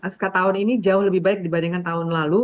sk tahun ini jauh lebih baik dibandingkan tahun lalu